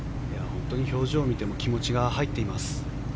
本当に表情を見ても気持ちが入っています。